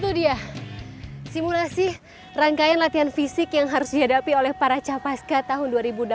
itu dia simulasi rangkaian latihan fisik yang harus dihadapi oleh para capaska tahun dua ribu delapan belas